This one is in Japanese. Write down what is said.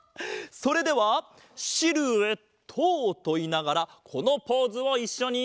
それでは「シルエット」といいながらこのポーズをいっしょに。